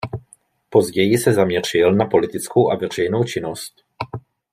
Později se zaměřil na politickou a veřejnou činnost.